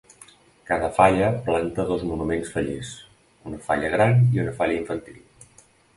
Cada falla planta dos monuments fallers, una falla gran i una falla infantil.